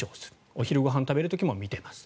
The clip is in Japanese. お昼ご飯食べる時も見てます。